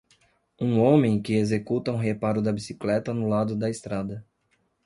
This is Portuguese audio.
Um homem que executa um reparo da bicicleta no lado da estrada.